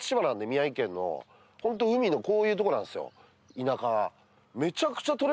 田舎。